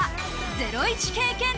ゼロイチ経験旅！